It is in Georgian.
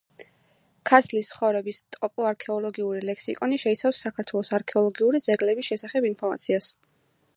ქართლის ცხოვრების ტოპოარქეოლოგიური ლექსიკონი შეიცავს საქართველოს არქეოლოგიური ძეგლების შესახებ ინფორმაციას